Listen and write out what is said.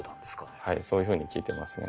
はいそういうふうに聞いてますね。